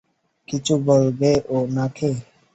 কিছু বলতে হবে উনাকে?